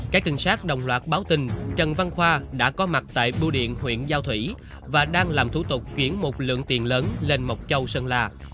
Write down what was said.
các trinh sát đồng loạt báo tình trần văn khoa đã có mặt tại bưu điện huyện giao thủy và đang làm thủ tục chuyển một lượng tiền lớn lên mộc châu sơn la